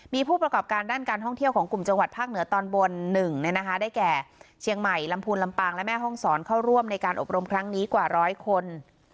มีผู้ประกอบการด้านการท่องเที่ยวของกลุ่มจังหวัดภาคเหนือตอนบน๑ได้แก่เชียงใหม่ลำพูนลำปางและแม่ห้องศรเข้าร่วมในการอบรมครั้งนี้กว่าร้อยคน